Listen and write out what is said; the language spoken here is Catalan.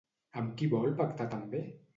Amb qui vol pactar també?